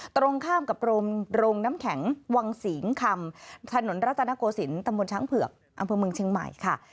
ตรงข้ามกับโรงน้ำแข็งวังสิงคำถนนรัตนโกศิลปมช้างเผือกอำเภอเมืองเชียงใหม่ค่ะ